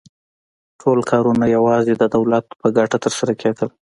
ټول کارونه یوازې د دولت په ګټه ترسره کېدل